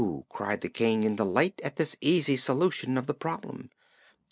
cried the King in delight at this easy solution of the problem.